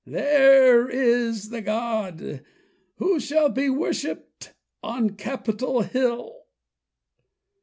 "There is the god who shall be worshiped on Capitol Hill!"